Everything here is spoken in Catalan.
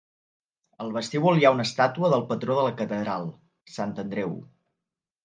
Al vestíbul hi ha una estàtua del patró de la catedral, Sant Andreu.